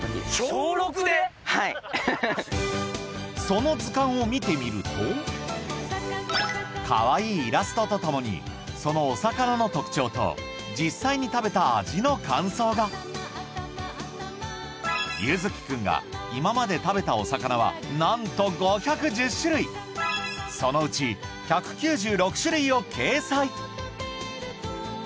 その図鑑を見てみるとかわいいイラストとともにそのお魚の特徴と実際に食べた味の感想が柚貴くんが今まで食べたお魚はなんと５１０種類そのうち１９６種類を掲載